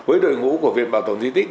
với đội ngũ của việc bảo tồn di tích